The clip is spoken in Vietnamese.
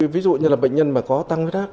ví dụ như là bệnh nhân mà có tăng huyết áp